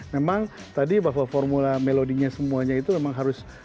memang tadi bahwa formula melodinya semuanya itu memang harus